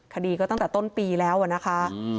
คดีก็ตั้งแต่ต้นปีแล้วนะคะ